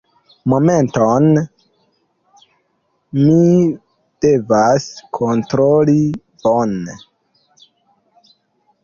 Momenton, mi devas kontroli. Bone.